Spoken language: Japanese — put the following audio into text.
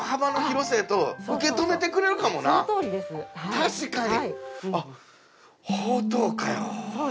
確かに！